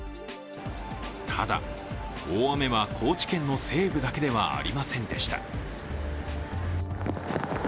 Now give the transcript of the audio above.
ただ、大雨は高知県の西部だけではありませんでした。